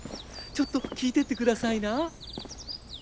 ちょっと聞いてってくださいな。